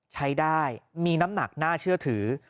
ใช้ได้มีน้ำหนักน่าเชื่อถือ